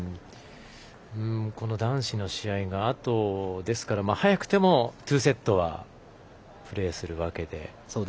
この男子の試合が早くても、あと２セットはプレーするわけで。